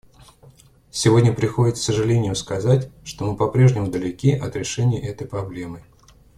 Сегодня приходится с сожалением сказать, что мы по-прежнему далеки от решения этой проблемы.